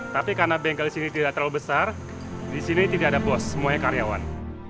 tapi karena bengkel disini tidak terlalu besar disini tidak ada bos semuanya karyawan